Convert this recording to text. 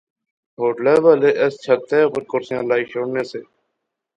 ہوٹلے والے اس چھتے اوپر کرسیاں لائی شوڑنے سے